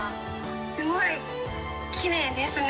すごいきれいですね。